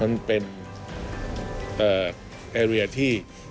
มันเป็นอารีย์ที่ที่จะเป็น